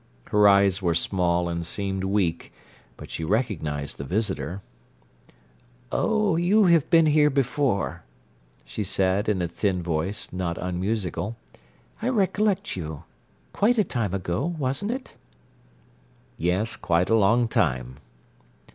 Her eyes were small and seemed weak, but she recognized the visitor. "Oh, you been here before," she said, in a thin voice, not unmusical. "I recollect you. Quite a time ago, wa'n't it?" "Yes, quite a long time."